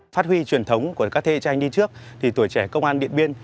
phát huy truyền thống của các thế hệ cha anh đi trước thì tuổi trẻ công an điện biên